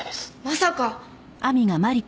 まさか。